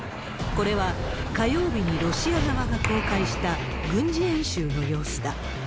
これは、火曜日にロシア側が公開した軍事演習の様子だ。